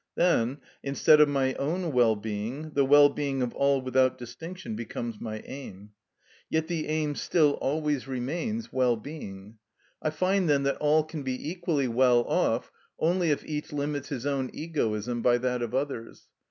Then, instead of my own well being, the well being of all without distinction becomes my aim. Yet the aim still always remains well being. I find, then, that all can be equally well off only if each limits his own egoism by that of others.